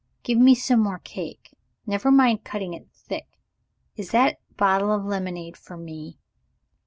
Give me some more cake. Never mind cutting it thick. Is that bottle of lemonade for me?"